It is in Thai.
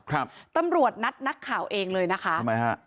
ครับตำรวจนัดนักข่าวเองเลยนะคะทำไมฮะ